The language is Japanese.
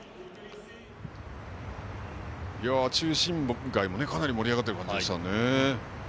中心街もかなり盛り上がっている感じでしたね。